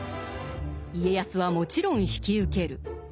家康はもちろん引き受ける。